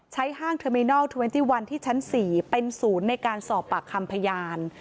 ใช้ห้างเทอร์มินัล๒๑ที่ชั้น๔เป็นศูนย์ในการสอบปากคำพยาน